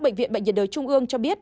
bệnh viện nhiệt đới trung ương cho biết